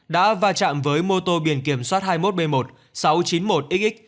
đã va chạm với mô tô biển kiểm soát hai mươi một b một sáu trăm chín mươi một xx